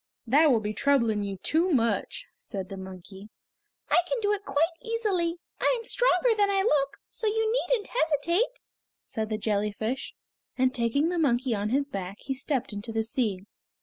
"That will be troubling you too much," said the monkey. "I can do it quite easily. I am stronger than I look, so you needn't hesitate," said the jellyfish, and taking the monkey on his back he stepped into the sea.